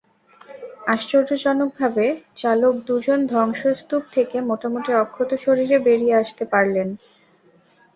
আশ্চর্যজনকভাবে চালক দুজন ধ্বংসস্তূপ থেকে মোটামুটি অক্ষত শরীরে বেরিয়ে আসতে পারলেন।